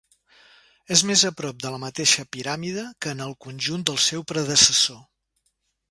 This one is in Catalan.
És més a prop de la mateixa piràmide que en el conjunt del seu predecessor.